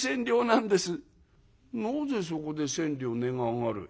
「なぜそこで千両値が上がる」。